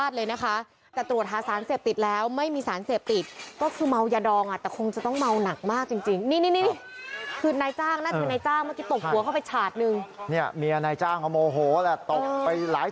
ตกไปหลายชาร์ทเลยจริงแล้ว